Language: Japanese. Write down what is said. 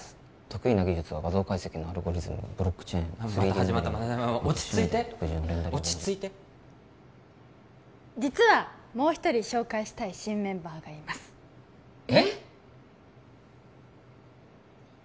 得意な技術は画像解析のアルゴリズムブロックチェーン３Ｄまた始まった落ち着いて落ち着いて実はもう一人紹介したい新メンバーがいますえっ？